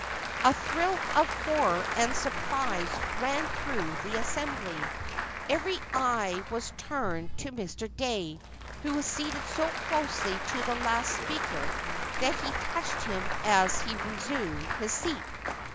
A thrill of horror and surprise ran through the assembly. Every eye was turned to Mr. Dey, who was seated so closely to the last speaker that he touched him as he resumed his seat.